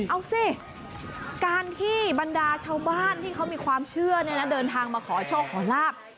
เอาสิการที่บรรดาชาวบ้านที่เขามีความเชื่อเดินทางมาขอโชคขอลาบ